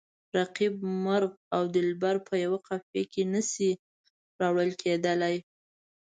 رقیب، مرغ او دلبر په یوه قافیه کې نه شي راوړل کیدلای.